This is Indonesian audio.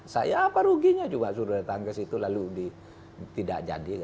saya apa ruginya juga sudah datang ke situ lalu tidak jadi